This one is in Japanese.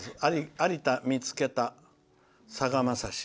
「有田見つけたさがまさし」